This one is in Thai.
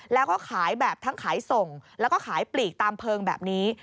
แล้วก็ขายแบบทั้งขายส่งแล้วก็ขายปลีกตามเพลิงแบบนี้